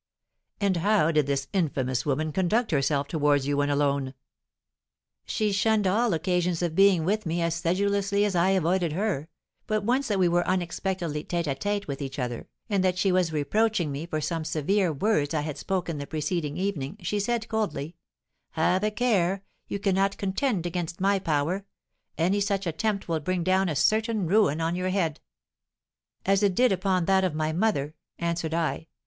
"And how did this infamous woman conduct herself towards you when alone?" "She shunned all occasions of being with me as sedulously as I avoided her; but once that we were unexpectedly tête à tête with each other, and that she was reproaching me for some severe words I had spoken the preceding evening, she said, coldly, 'Have a care: you cannot contend against my power; any such attempt will bring down certain ruin on your head.' 'As it did upon that of my mother,' answered I.